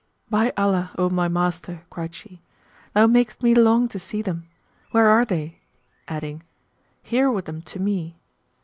"By Allah, O my master," cried she, "thou makest me long to see them! Where are they?", adding, "Here with them to me!"